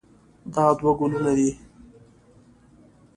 دا دوه ګلونه دي.